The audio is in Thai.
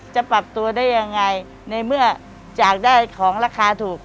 จะปรับตัวได้ยังไงในเมื่ออยากได้ของราคาถูก